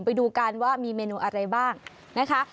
ไปดูกันว่ามีเมนูอะไรบ้างนะคะ